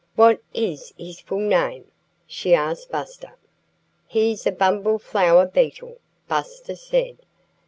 "What is his full name?" she asked Buster. "He's a Bumble Flower Beetle," Buster said.